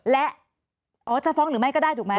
และอ๋อจะฟ้องหรือไม่ก็ได้ถูกไหม